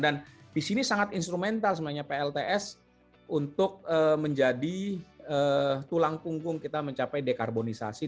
di sini sangat instrumental sebenarnya plts untuk menjadi tulang punggung kita mencapai dekarbonisasi